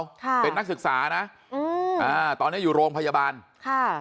ค่ะเป็นนักศึกษานะอืมอ่าตอนเนี้ยอยู่โรงพยาบาลค่ะ